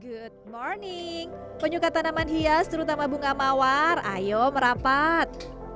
good morning penyuka tanaman hias terutama bunga mawar ayo merapat